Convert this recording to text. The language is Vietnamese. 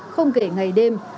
không kể ngày đêm